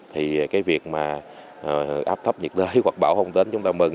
thì cái việc mà áp sấp nhiệt đới hoặc bão không đến chúng ta mừng